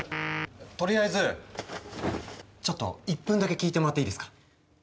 とりあえずちょっと１分だけ聞いてもらっていいですか？